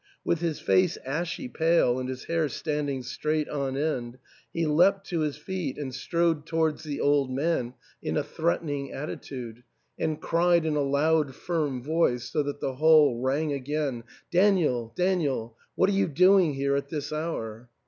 With his face ashy pale and his hair standing straight on end, he leapt to his feet and strode towards the old man in a THE ENTAIL. 313 threatening attitude and cried in a loud firm voice, so that the hall rang again, " Daniel, Daniel, what are you doing here at this hour